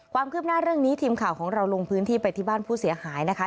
ความคืบหน้าเรื่องนี้ทีมข่าวของเราลงพื้นที่ไปที่บ้านผู้เสียหายนะคะ